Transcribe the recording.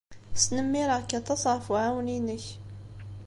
Snemmireɣ-k aṭas ɣef uɛawen-nnek.